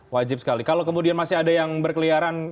wajib sekali kalau kemudian masih ada yang berkeliaran